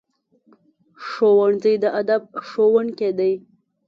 ښوونځی د ادب ښوونکی دی